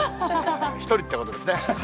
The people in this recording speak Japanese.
１人ってことですね。